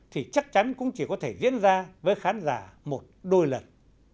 thì chắc chắn cũng chỉ có thể diễn ra với khán giả một đôi lần